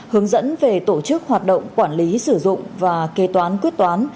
hướng dẫn về tổ chức hoạt động quản lý sử dụng và kê toán quyết toán